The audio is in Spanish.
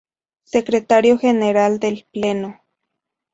Secretario General del Pleno.